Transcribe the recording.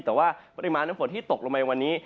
แต่ว่าปริมาณน้ำฝนที่ตกลงไปวันนี้